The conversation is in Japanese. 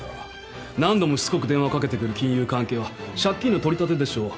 何度もしつこく電話をかけてくる金融関係は借金の取り立てでしょう。